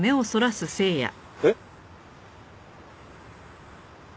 えっ？